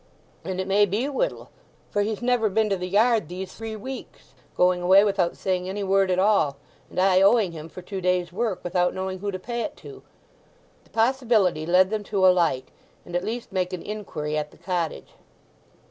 "And it may be Whittle, for he's never been to the yard these three weeks, going away without saying any word at all; and I owing him for two days' work, without knowing who to pay it to." The possibility led them to alight, and at least make an inquiry at the cottage.